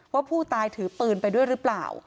ว่าผู้ตายถือปืนไปด้วยหรือเปล่า